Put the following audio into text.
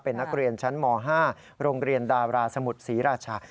เป็นนักเรียนชั้นม๕โรงเรียนดาราสมุทรศรีราชา